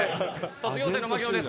「卒業生の槙野です。